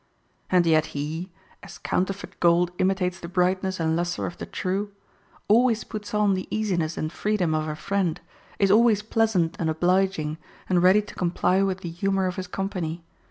And yet he, as counterfeit gold imitates the brightness and lustre of the true, always puts on the easiness and freedom of a friend, is always pleasant and obliging, and ready to comply with the humor of his company.